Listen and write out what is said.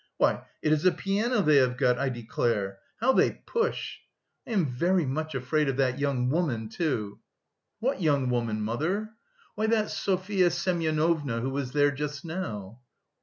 Why, it is a piano they have got, I declare... how they push!... I am very much afraid of that young woman, too." "What young woman, mother? "Why, that Sofya Semyonovna, who was there just now."